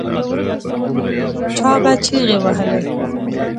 چا به چیغې وهلې.